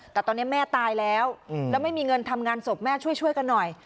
แต่ตอนนี้แม่ตายแล้วแล้วไม่มีเงินทำงานศพแม่ช่วยกันหน่อย